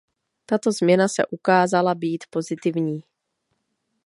Tato změna se ukázala být pozitivní.